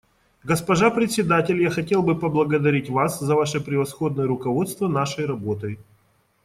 Госпожа Председатель, я хотел бы поблагодарить вас за ваше превосходное руководство нашей работой.